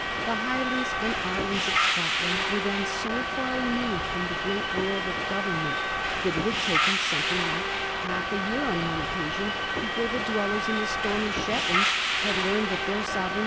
The Highlands and islands of Scotland were then so far removed from the great world of government that it had taken something like half a year on one occasion before the dwellers in the stormy Shetlands had learned that their sovereign.